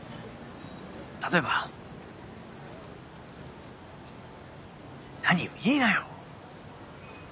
例えば？何よ言いなよ。